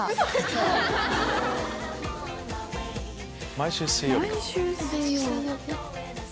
「毎週水曜日は」